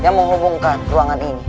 yang menghubungkan ruangan ini